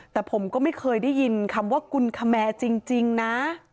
แต่ผมก็ไม่เคยได้ยินคำว่ากุลคแมจริงนะ